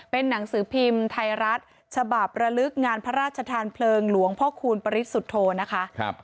เป็นหนังสือพิมพ์ไทยรัฐฉบับระลึกงานพระราชทานเพลิงหลวงพ่อคูณปริสุทธโธนะคะ